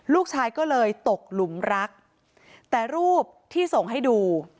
ลูกชายก็เลยตกหลุมรักแต่รูปที่ส่งให้ดู